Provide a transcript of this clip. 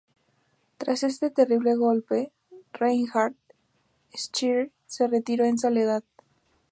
Tras este terrible golpe, Reinhard Scheer se retiró en soledad.